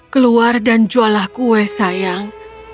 keluar dan juallah kue sayang